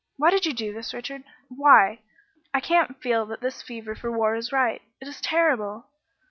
"Why did you do this, Richard? Why? I can't feel that this fever for war is right. It is terrible.